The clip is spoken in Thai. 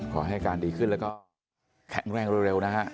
ขอให้อาการดีขึ้นแล้วก็แข็งแรงเร็วนะฮะ